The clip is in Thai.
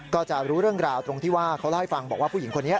ก็จะรู้เรื่องราวตรงที่ว่าเขาเล่าให้ฟังบอกว่าผู้หญิงคนนี้